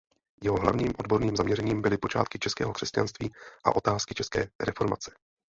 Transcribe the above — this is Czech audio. Jeho hlavním odborným zaměřením byly počátky českého křesťanství a otázky české reformace.